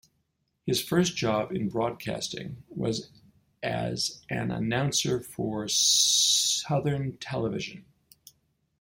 His first job in broadcasting was as an announcer for Southern Television.